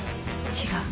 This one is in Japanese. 違う。